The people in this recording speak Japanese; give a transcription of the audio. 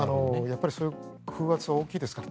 そういう風圧は大きいですから。